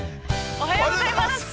◆おはようございます。